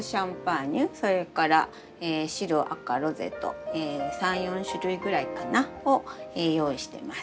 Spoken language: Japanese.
それから白赤ロゼと３４種類ぐらいかな？を用意してます。